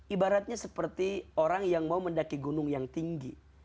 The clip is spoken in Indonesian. ibaratnya seperti orang yang mau mendaki gunung yang tinggi